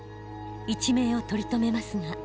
一命を取り留めますが。